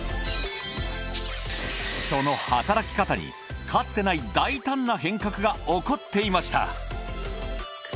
その働き方にかつてない大胆な変革が起こっていました。